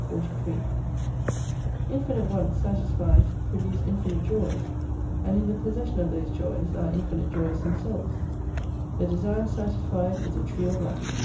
43 Infinite Wants satisfied produce infinite Joys ; and in the possession of those joys are infinite joys them selves. The Desire Satisfied is a Tree of Life.